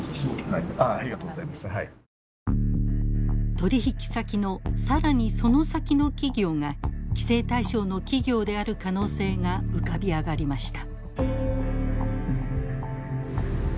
取引先の更にその先の企業が規制対象の企業である可能性が浮かび上がりました。